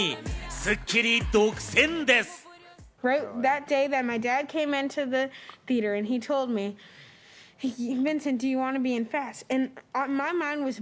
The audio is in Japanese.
『スッキリ』独占です。